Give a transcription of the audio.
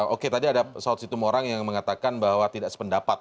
oke tadi ada soal situm orang yang mengatakan bahwa tidak sependapat